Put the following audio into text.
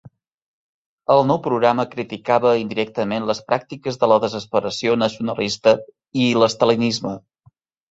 El nou programa criticava indirectament les pràctiques de la desesperació nacionalista i l'estalinisme.